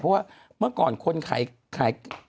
เพราะว่าเมื่อก่อนคนขาย